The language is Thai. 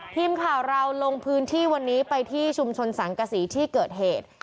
ทีมข่าวเราลงพื้นที่วันนี้ไปที่ชุมชนสังกษีที่เกิดเหตุ